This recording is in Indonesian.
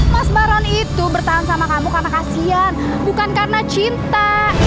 mas maron itu bertahan sama kamu karena kasian bukan karena cinta